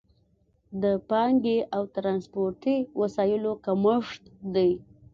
د پانګې او ترانسپورتي وسایلو کمښت دی.